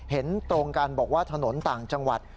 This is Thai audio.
เห็นตรงกันบอกว่าถนนต่างจังหวัด